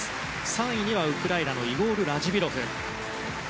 ３位にはウクライナのイゴール・ラジビロフ。